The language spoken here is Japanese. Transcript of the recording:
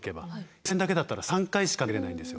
予選だけだったら３回しか投げれないんですよ。